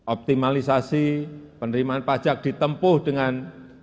optimalisasi penerimaan pajak ditempuh dengan